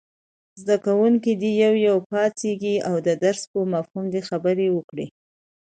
زده کوونکي دې یو یو پاڅېږي او د درس په مفهوم خبرې وکړي.